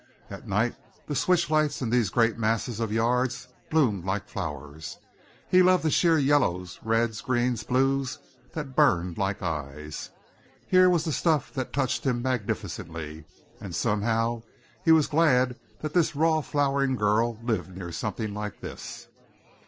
At night the switch lights in these great masses of yards bloomed like flowers. He loved the sheer yellows, reds, greens, blues, that burned like eyes. Here was the stuff that touched him magnificently, and somehow he was glad that this raw flowering girl lived near something like this.